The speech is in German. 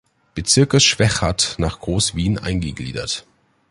Bezirkes Schwechat nach Groß-Wien eingegliedert.